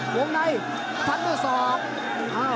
ห่วงในพันธุ์สอง